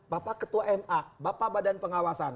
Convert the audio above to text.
bapak ketua ma bapak badan pengawasan